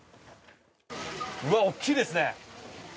うわ、大きいですね。